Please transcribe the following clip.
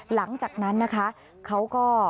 หลังจากนั้นนะคะเขาก็